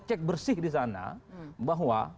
cek bersih di sana bahwa